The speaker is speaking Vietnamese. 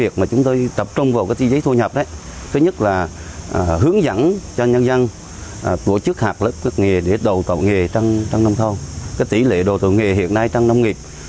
chúng tôi tập trung vào tiêu chí số một mươi là tiêu chí thu nhập